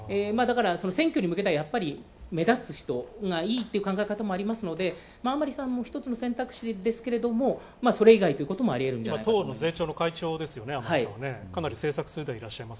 選挙に向けてはやっぱり目立つ人がいいっていう考え方もありますけど、甘利さんも一つの選択肢ですけど、それ以外ということもあるんじゃないかなと思います。